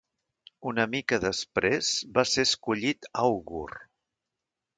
Un mica després va ser escollit àugur.